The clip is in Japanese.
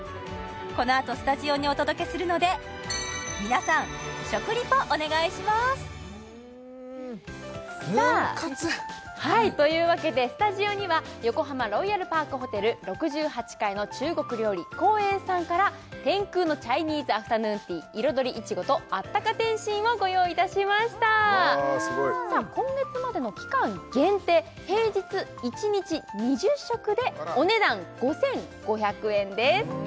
このあとスタジオにお届けするので皆さんヌン活さあというわけでスタジオには横浜ロイヤルパークホテル６８階の中国料理皇苑さんから天空のチャイニーズアフタヌーンティー−彩りいちごとあったか点心−をご用意いたしましたわすごい今月までの期間限定平日１日２０食でお値段５５００円です